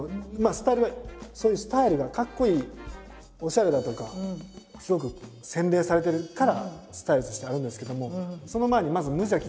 スタイルはそういうスタイルがかっこいいおしゃれだとかすごく洗練されてるからスタイルとしてあるんですけども。